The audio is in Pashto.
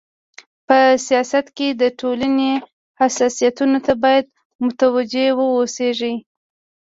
په سیاست کي د ټولني حساسيتونو ته بايد متوجي و اوسيږي.